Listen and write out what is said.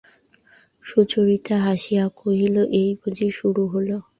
সুচরিতা হাসিয়া কহিল, এই বুঝি শুরু হল!